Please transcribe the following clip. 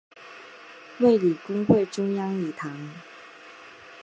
卫理公会中央礼堂。